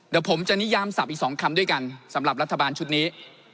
เดี๋ยวผมจะนิยามสับอีก๒คำด้วยกันสำหรับรัฐบาลชุดนี้